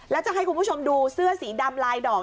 แล้วจะให้คุณผู้ชมดูเสื้อสีดำลายดอก